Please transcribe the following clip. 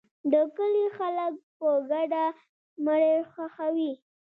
د کلي خلک په ګډه مړی ښخوي.